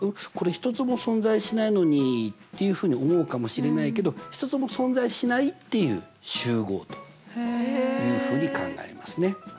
「これ１つも存在しないのに」っていうふうに思うかもしれないけど１つも存在しないっていう集合というふうに考えますね。